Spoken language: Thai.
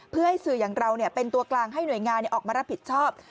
เพื่อให้สื่ออย่างเราเป็นตัวกลางให้หน่วยงานออกมารับผิดชอบ